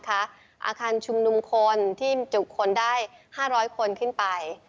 อาคารชุมนุมคนที่จุคนได้๕๐๐คนขึ้นไป